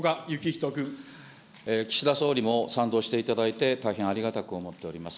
岸田総理も賛同していただいて大変ありがたく思っております。